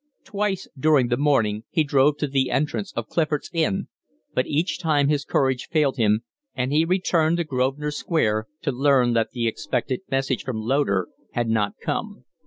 Twice during the morning he drove to the entrance of Clifford's Inn, but each time his courage failed him and he returned to Grosvenor Square to learn that the expected message from Loder had not come.